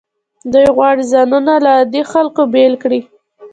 دوی غواړي ځانونه له عادي خلکو بیل کړي.